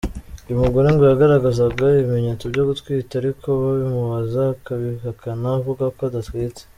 Uyu mugore ngo yagaragazaga ibimenyetso byo gutwita ariko babimubaza akabihakana avuga ko adatwite.